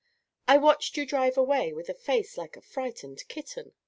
I watched you drive away with a face like a frightened kitten."